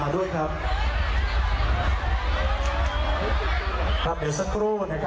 ดึงเด็กออกก่อนเนี่ย